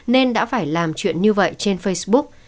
nên đã phải làm chuyện như vậy trên facebook